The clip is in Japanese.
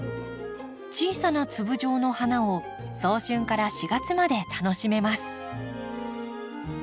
小さな粒状の花を早春から４月まで楽しめます。